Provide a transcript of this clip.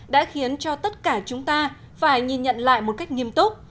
đã khiến cho tất cả chúng ta phải nhìn nhận lại một cách nghiêm túc